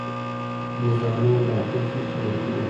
که مزاحمان داخل شي، شړل کېږي.